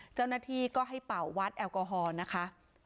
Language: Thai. เจ้าหน้าที่ก็ให้เป่าวัดแอลกอฮอล์นะคะ